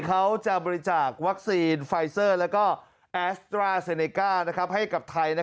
เขาจะบริจาควัคซีนไฟเซอร์แล้วก็แอสตราเซเนก้าให้กับไทย